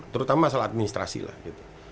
terutama masalah administrasi lah gitu